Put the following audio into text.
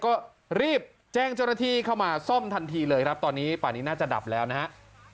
ก็รีบแจ้งเจ้าหน้าที่เข้ามาซ่อมทันทีเลยครับตอนนี้ป่านี้น่าจะดับแล้วนะฮะ